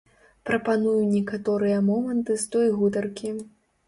Прапаную некаторыя моманты з той гутаркі.